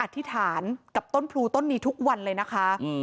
ธิษฐานกับต้นพลูต้นนี้ทุกวันเลยนะคะ